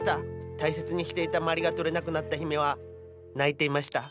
大切にしていたまりが取れなくなった姫は泣いていました。